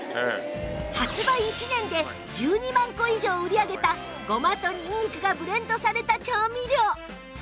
発売１年で１２万個以上売り上げたごまとにんにくがブレンドされた調味料